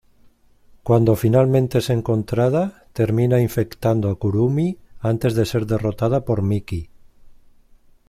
Cuando finalmente es encontrada, termina infectando a Kurumi antes de ser derrotada por Miki.